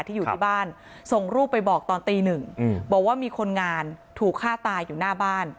อยู่ที่บ้านส่งรูปไปบอกตอนตีหนึ่งบอกว่ามีคนงานถูกฆ่าตายอยู่หน้าบ้าน